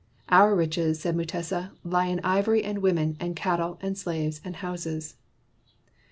"Our riches," said Mutesa, "lie in ivory and women and cattle and slaves and houses.